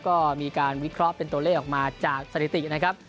ก็มีการวิเคราะห์เป็นตัวเลขออกมาจากสถิตินะครับ